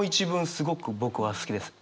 すごく僕は好きです。